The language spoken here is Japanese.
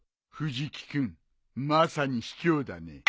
藤木君まさにひきょうだね。